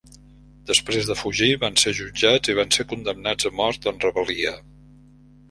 Després de fugir, van ser jutjats i van ser condemnats a mort en rebel·lia.